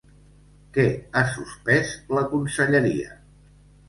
Què ha suspès la conselleria?